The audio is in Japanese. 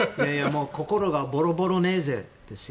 心がボロボロネーゼですよ。